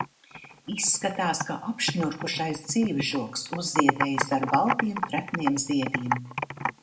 Izskatās, ka apšņurkušais dzīvžogs uzziedējis ar baltiem, trekniem ziediem.